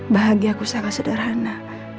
bahagia ku sangat sederhana